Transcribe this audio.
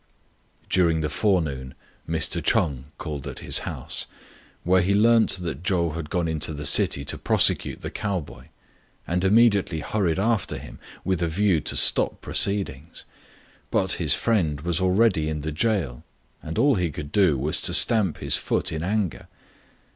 During the forenoon Mr. Ch'eng called at his house, where he learnt that Chou had gone into the city to prosecute the cow boy, and immediately hurried after him with a view to stop proceedings. But his friend was already in the gaol, and all he could do was to stamp his foot in anger.